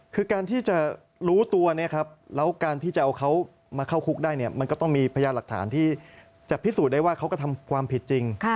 คือการที่จะรู้ตัวเนี่ยครับแล้วการที่จะเอาเขามาเข้าคุกได้เนี่ยมันก็ต้องมีพยานหลักฐานที่จะพิสูจน์ได้ว่าเขาก็ทำความผิดจริง